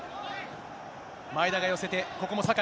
前田が寄せて、ここも酒井。